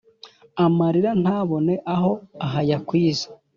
Amarira ntabone aho ahayakwiza